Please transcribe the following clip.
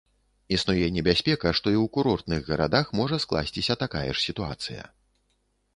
Існуе небяспека, што і ў курортных гарадах можа скласціся такая ж сітуацыя.